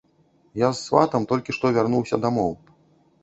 Я з сватам толькі што вярнуўся дамоў.